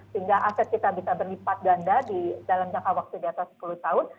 sehingga aset kita bisa berlipat ganda di dalam jangka waktu di atas sepuluh tahun